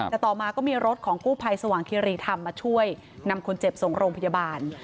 แต่ต่อมาก็มีรถของกู้ภัยสว่างคิรีธรรมมาช่วยนำคนเจ็บส่งโรงพยาบาล